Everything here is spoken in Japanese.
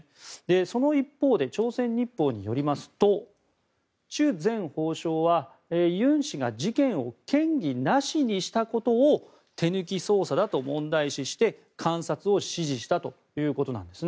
その一方で朝鮮日報によりますとチュ前法相はユン氏が事件を嫌疑なしにしたことを手抜き捜査だと問題視して監察を指示したということなんです。